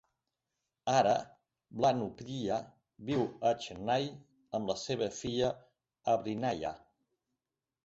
Ara Bhanupriya viu a Chennai amb la seva filla Abhinaya.